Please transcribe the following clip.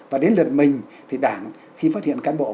và đến lượt mình thì đảng khi phát hiện cán bộ